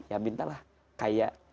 ya mintalah kaya